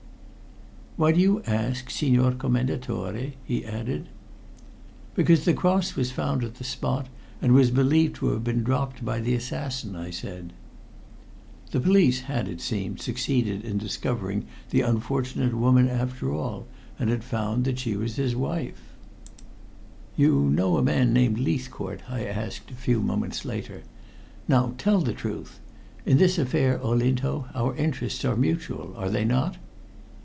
"Why do you ask, Signor Commendatore?" he added. "Because the cross was found at the spot, and was believed to have been dropped by the assassin," I said. The police had, it seemed, succeeded in discovering the unfortunate woman after all, and had found that she was his wife. "You know a man named Leithcourt?" I asked a few moments later. "Now, tell the truth. In this affair, Olinto, our interests are mutual, are they not?"